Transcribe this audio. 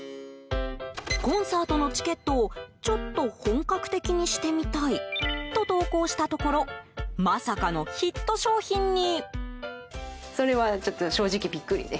コンサートのチケットをちょっと本格的にしてみたいと投稿したところまさかのヒット商品に。